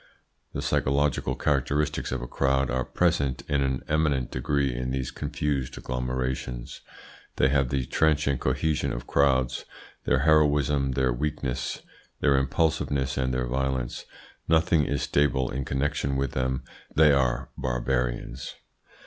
The psychological characteristics of crowds are present in an eminent degree in these confused agglomerations. They have the transient cohesion of crowds, their heroism, their weaknesses, their impulsiveness, and their violence. Nothing is stable in connection with them. They are barbarians.